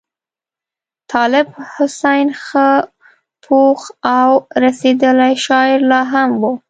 طالب حسین ښه پوخ او رسېدلی شاعر لا هم وو.